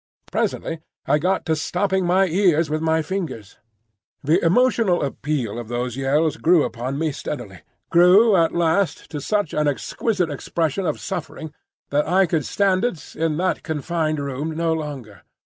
Presently I got to stopping my ears with my fingers. The emotional appeal of those yells grew upon me steadily, grew at last to such an exquisite expression of suffering that I could stand it in that confined room no longer.